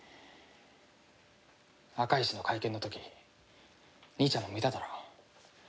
赤石の会見の時兄ちゃんも見ただろ？